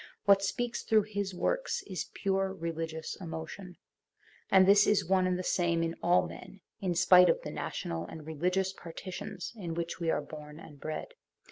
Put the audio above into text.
What speaks through his works is pure religious emotion; and this is one and the same in all men, in spite of the national and religious par titions in which we are born and bred.